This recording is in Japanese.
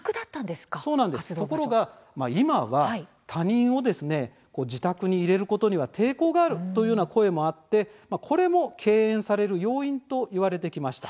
ところが今は他人を自宅に入れることには抵抗があるという声もあってこれも敬遠される要因といわれてきました。